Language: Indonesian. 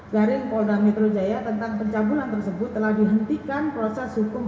garing polda metro jaya tentang pencabulan tersebut telah dihentikan proses hukum